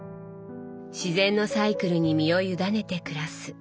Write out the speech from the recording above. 自然のサイクルに身を委ねて暮らす。